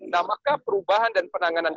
nah maka perubahan dan penanganan